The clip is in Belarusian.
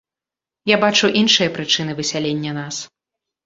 Я бачу іншыя прычыны высялення нас.